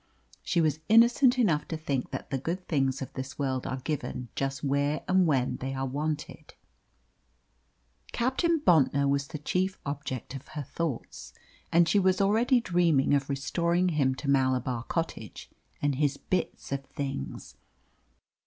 She was innocent enough to think that the good things of this world are given just where and when they are wanted. Captain Bontnor was the chief object of her thoughts, and she was already dreaming of restoring him to Malabar Cottage and his bits of things.